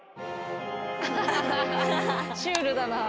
シュールだなぁ。